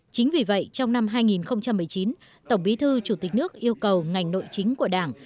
chính vì vậy trong năm hai nghìn một mươi chín tổng bí thư chủ tịch nước yêu cầu ngành nội chính của đảng